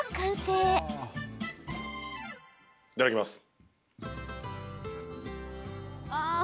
いただきます。